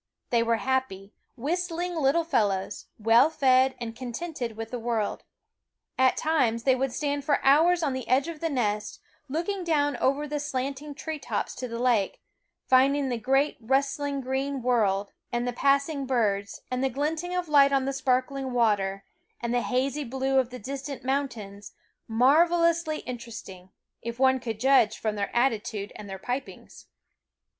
They were happy, whistling little fellows, well fed and contented with the world. At times they would stand for hours on the edge of the nest, looking down over the slanting tree tops to the lake, finding the great rust ling green world, and the passing birds, and the glinting of light on the sparkling water, and the hazy blue of the distant mountains marvelously interesting, if one could judge from their attitude and their pipings.